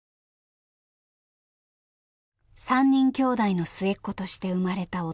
３人きょうだいの末っ子として生まれた音十愛さん。